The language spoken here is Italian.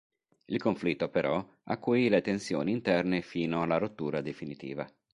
Il conflitto però, acuì le tensioni interne fino alla rottura definitiva.